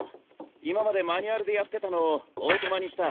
今までマニュアルでやってたのをオートマにした。